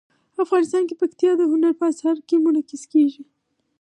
افغانستان کې پکتیا د هنر په اثار کې منعکس کېږي.